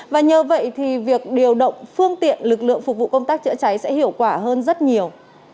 và nhờ vậy thì việc điều động phương tiện lực lượng phục vụ công tác chữa cháy sẽ hiệu quả hơn rất nhiều